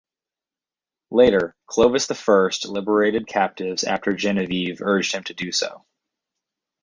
Later, Clovis I liberated captives after Genevieve urged him to do so.